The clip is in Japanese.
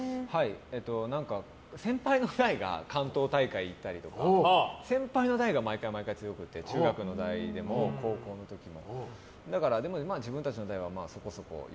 何か先輩の代が関東大会に行ったりとか先輩の代が毎回強くて中学の代でも高校の時も。